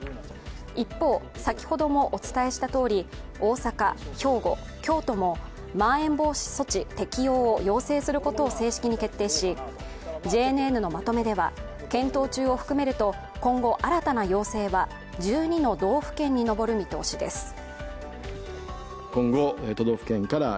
一方、先ほどもお伝えしたとおり大阪、兵庫、今日もまん延防止措置適用を要請することを正式に決定し、ＪＮＮのまとめでは、検討中を含めると今後新たな要請は１２の道府県に上る見通しです。